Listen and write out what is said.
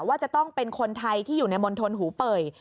ว่าจะต้องเป็นคนไทยที่อยู่ในมณฑลหูเป่ย